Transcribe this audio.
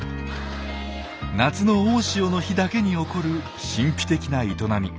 夏の大潮の日だけに起こる神秘的な営み。